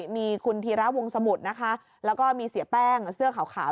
มีคุณธีระวงสมุทรนะคะแล้วก็มีเสียแป้งเสื้อขาว